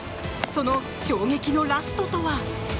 その衝撃のラストとは。